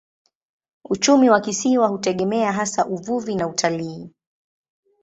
Uchumi wa kisiwa hutegemea hasa uvuvi na utalii.